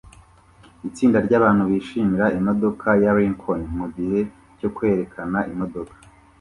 Itsinda ryabantu bishimira imodoka ya Lincoln mugihe cyo kwerekana imodoka